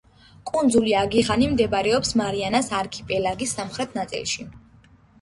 კუნძული აგიხანი მდებარეობს მარიანას არქიპელაგის სამხრეთ ნაწილში.